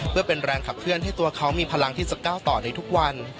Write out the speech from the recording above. เพื่อเป็นแรงขับเคลื่อนให้ตัวเขามีพลังที่จะก้าวต่อในทุกวัน